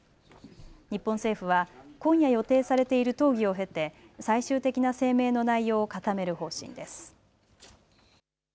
日本政府は、今夜予定されている討議を経て、最終的な声明の内容を固める方針です。